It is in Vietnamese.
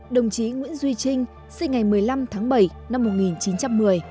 đồng chí nguyễn duy trinh sinh ngày một mươi năm tháng bảy năm một nghìn chín trăm một mươi